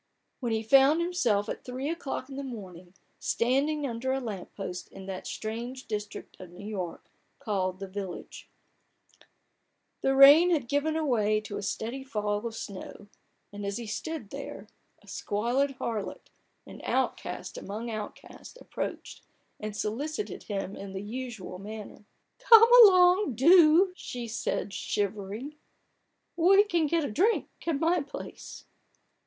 55 when he found himself, at three o'clock in the morning, standing under a lamp post in that strange district of New York called " The Village," The rain had given way to a steady fall of snow : and as he stood there, a squalid harlot, an outcast amongst outcasts, approached, and solicited him in the usual manner. " Come along — do !' she said, shivering : 4< We can get a drink at my place."